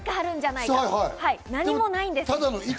何もないんです。